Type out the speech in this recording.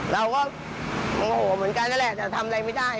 เราก็โงโหะเหมือนกันแน่แหละจะทำไรไม่ได้